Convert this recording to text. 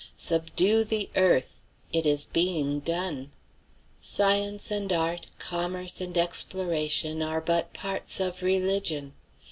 "Subdue the earth" it is being done. Science and art, commerce and exploration, are but parts of religion.